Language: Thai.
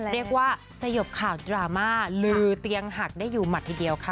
เรียกว่าสยบข่าวดราม่าลือเตียงหักได้อยู่หมัดทีเดียวค่ะ